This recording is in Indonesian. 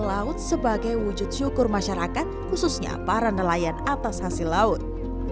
laut sebagai wujud syukur masyarakat khususnya para nelayan atas hasil laut